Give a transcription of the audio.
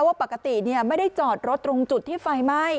ว่าปกติไม่ได้จอดรถตรงจุดที่ไฟไหม้